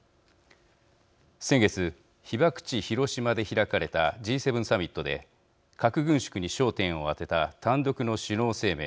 先月被爆地広島で開かれたＧ７サミットで核軍縮に焦点を当てた単独の首脳声明